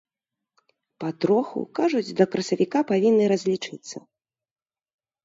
Патроху, кажуць, да красавіка павінны разлічыцца.